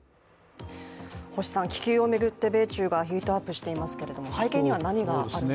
気球を巡って米中がヒートアップしていますけれども背景には何があるんでしょうか。